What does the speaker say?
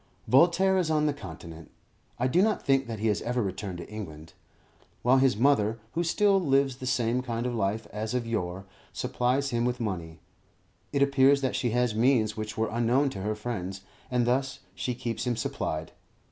Voltaire is on the Continent. I do not think that he has ever returned to England; while his mother, who still lives the same kind of life as of yore, supplies him with money. It appears that she has means which were unknown to her friends, and thus she keeps him supplied.